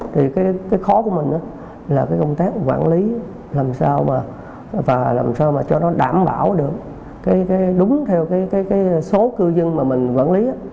thì cái khó của mình là cái công tác quản lý làm sao mà làm sao mà cho nó đảm bảo được đúng theo cái số cư dân mà mình quản lý á